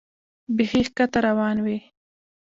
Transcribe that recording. بیخي ښکته روان وې.